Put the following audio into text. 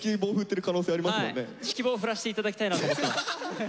指揮棒振らせて頂きたいなと思ってます。